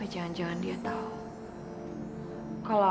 aku kangen banget sama kamu